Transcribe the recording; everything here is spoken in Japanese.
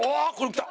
きた。